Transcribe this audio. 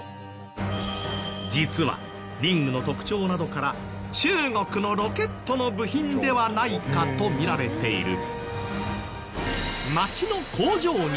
実はリングの特徴などから中国のロケットの部品ではないかとみられている。